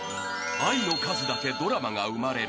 ［愛の数だけドラマが生まれる。